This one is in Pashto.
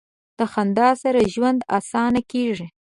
د خندا سره ژوند اسانه کیږي.